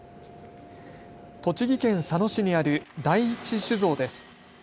栃木県佐野市にある第一酒造です。